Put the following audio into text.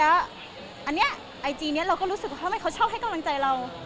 แล้วอันนี้ไอจีนี้เราก็รู้สึกว่าทำไมเขาชอบให้กำลังใจเรา